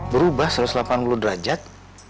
berubah satu ratus delapan puluh derajat